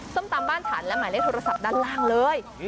ส้มตำบ้านฉันและหมายเลขโทรศัพท์ด้านล่างเลย